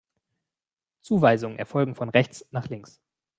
Zuweisungen erfolgen von rechts nach links.